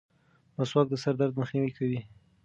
مسواک د سر درد مخنیوی کوي.